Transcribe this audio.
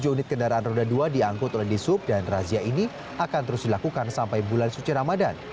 tujuh unit kendaraan roda dua diangkut oleh disub dan razia ini akan terus dilakukan sampai bulan suci ramadan